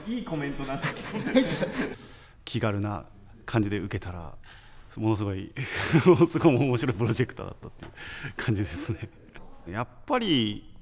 気軽な感じで受けたらものすごい面白いプロジェクトだったっていう感じですね。